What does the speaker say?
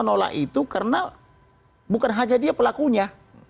dan saya menolak itu karena bukan hanya dia pelakunya